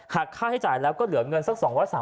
หักค่าที่จ่ายแล้วก็เหลือเงินสัก๒๐๐๓๐๐บาทอ่ะ